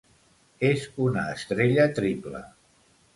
És una estrella triple.